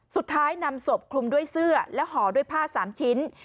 สุดท้ายนำศพคลุมด้วยเสื้อและห่อด้วยผ้าสามชิ้น